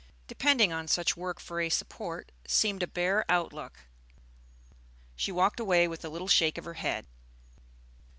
Depending on such work for a support seemed a bare outlook. She walked away with a little shake of her head.